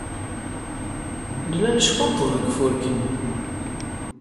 Nella neckunṭeḍ deg ufurk-nni.